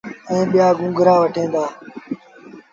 ائيٚݩ ٻيٚآ ننڍآ گونرآ وٺيٚن دآ۔